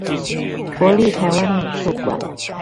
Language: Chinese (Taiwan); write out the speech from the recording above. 國立臺灣美術館